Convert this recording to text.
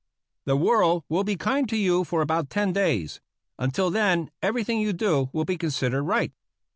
The world will be kind to you for about ten days; until then everything you do will be considered right.